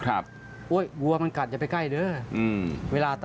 อุ๊ยวัวมันกัดอย่าไปใกล้เถอะ